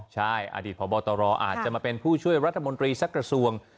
ใช่อดีตพบตรอาจจะมาเป็นผู้ช่วยรัฐมนตรีสักกระทรวง